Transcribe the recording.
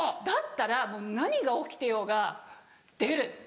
だったらもう何が起きてようが出る。